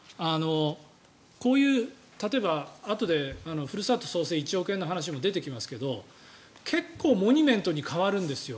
こういう例えばあとでふるさと創生１億円という話も出てきますけど結構モニュメントに変わるんですよ